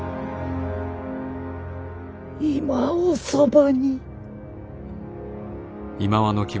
今おそばに。